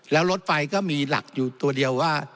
แล้วรถไฟก็มีหลักอยู่ตัวเดียวว่า